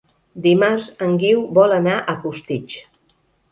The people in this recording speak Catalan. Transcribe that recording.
Dimarts en Guiu vol anar a Costitx.